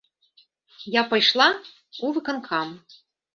Я пайшла ў выканкам.